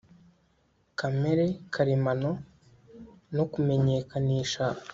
kamere karemano, no kumenyekanisha